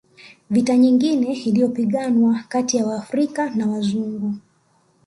Vita nyingine iliyopiganwa kati ya waafrika na Wazungu